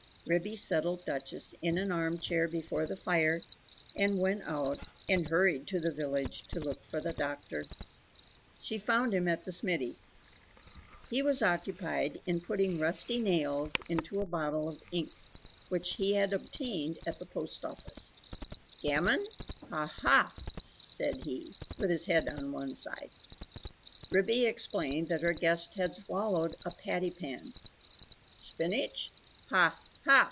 Ribby settled Duchess in an armchair before the fire, and went out and hurried to the village to look for the doctor. She found him at the smithy. He was occupied in putting rusty nails into a bottle of ink, which he had obtained at the post office. "Gammon? ha! HA!" said he, with his head on one side. Ribby explained that her guest had swallowed a patty pan. "Spinach? ha! HA!"